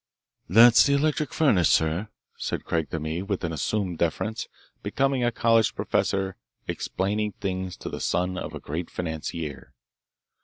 "That's the electric furnace, sir," said Craig to me with an assumed deference, becoming a college professor explaining things to the son of a great financier.